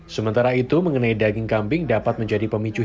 sementara itu mengenai daging kambing dapat menjadi pemicu